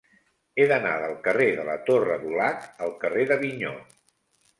He d'anar del carrer de la Torre Dulac al carrer d'Avinyó.